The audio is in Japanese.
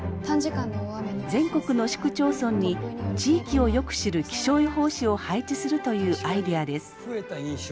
全国の市区町村に地域をよく知る気象予報士を配置するというアイデアです。